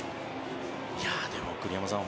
でも、栗山さん